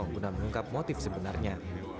yang pernah mengungkap motif sebenarnya